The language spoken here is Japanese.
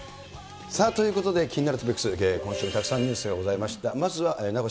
さあ、ということで、気になるトピックス、今週もたくさんニュースがございました。